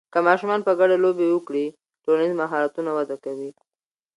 که ماشومان په ګډه لوبې وکړي، ټولنیز مهارتونه وده کوي.